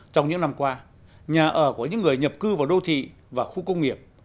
trong những năm qua nhà ở của những người nhập cư vào đô thị và khu công nghiệp